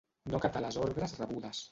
No acatà les ordres rebudes.